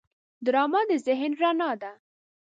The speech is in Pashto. ډرامه د ذهن رڼا ده